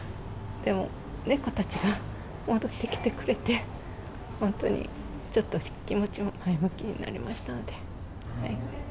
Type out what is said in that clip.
でも、猫たちが戻ってきてくれて、本当に、ちょっと気持ちも前向きになりましたので。